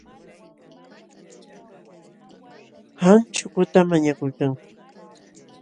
Qam chukutam mañakuykanki.,